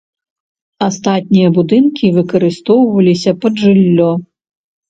Астатнія будынкі выкарыстоўваліся пад жыллё.